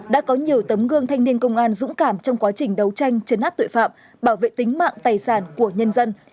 đã có nhiều tấm gương thanh niên công an dũng cảm trong quá trình đấu tranh chấn áp tội phạm bảo vệ tính mạng tài sản của nhân dân